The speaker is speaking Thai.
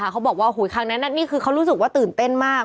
เขาบอกว่าครั้งนั้นนี่คือเขารู้สึกว่าตื่นเต้นมาก